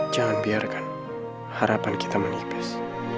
jangan biarkan harapan kita menipis